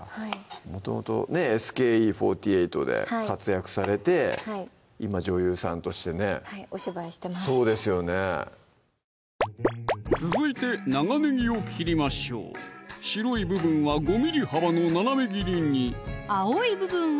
もともとＳＫＥ４８で活躍されて今女優さんとしてねはいお芝居してますそうですよね続いて長ねぎを切りましょう白い部分は５ｍｍ幅の斜め切りに青い部分は？